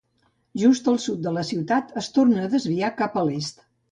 Just al sud de la ciutat es torna a desviar cap a l'est.